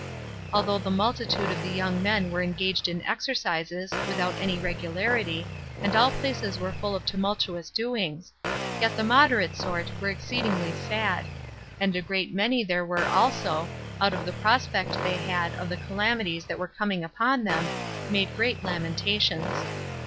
Although the multitude of the young men were engaged in exercises, without any regularity, and all places were full of tumultuous doings; yet the moderate sort were exceedingly sad; and a great many there were who, out of the prospect they had of the calamities that were coming upon them, made great lamentations.